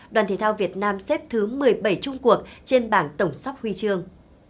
đoàn thể thao việt nam xếp thứ một mươi bảy trung cuộc trên bảng tổng sắp huy chương